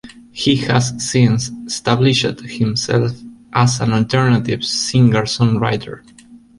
He has since established himself as an alternative singer-songwriter.